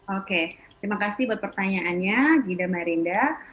oke terima kasih buat pertanyaannya gida mairinda